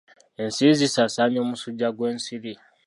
Ensiri zisaasaanya omusujja gw'ensiri.